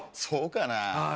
そうかな？